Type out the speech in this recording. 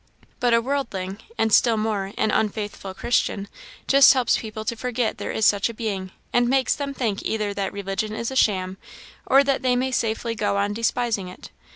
But a worldling, and still more, an unfaithful Christian, just helps people to forget there is such a Being, and makes them think either that religion is a sham, or that they may safely go on despising it.